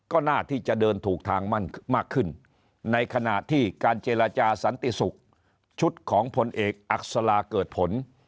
ก็น่าที่จะเดินถูกทางมั่นมากขึ้นในขณะที่การเจรจาสันติศุกร์ชุดของผลเอกอักษลาเกิดผล